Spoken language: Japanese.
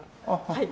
はい。